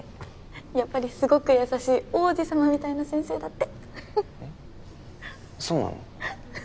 やっぱりすごく優しい王子様みたいな先生だってえっそうなの？